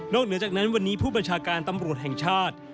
เหนือจากนั้นวันนี้ผู้บัญชาการตำรวจแห่งชาติ